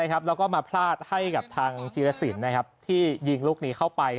แล้วก็มาพลาดให้กับทางจีรสินที่ยิงลูกนี้เข้าไป